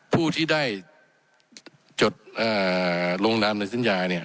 ผู้ที่ได้จดอ่าโรงนามนัดสัญญาเนี่ย